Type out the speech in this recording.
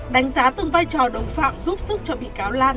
đánh giá từng vai trò đồng phạm giúp sức cho bị cáo lan